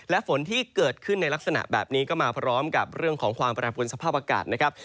และฝนที่เกิดขึ้นในลักษณะแบบนี้ก็มาพร้อมกับเรื่องของความแปรปวนสภาพอากาศนะครับ